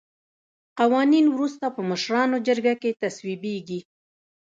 قوانین وروسته په مشرانو جرګه کې تصویبیږي.